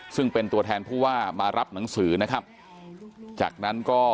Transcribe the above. ซึ่งเป็นตัวแทนผู้ว่ามารับหนังสือนะครับจากนั้นก็มีการปรึ่งเสียงตะโกนคำว่าส่งพระเจริญนะครับ